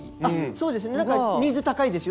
そうですねニーズ高いですよ。